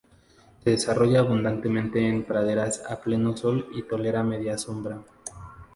Se desarrolla abundantemente en praderas a pleno sol y tolera media sombra.